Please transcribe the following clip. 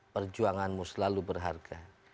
perjuanganmu selalu berharga